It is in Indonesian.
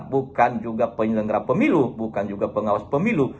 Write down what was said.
bukan juga penyelenggara pemilu bukan juga pengawas pemilu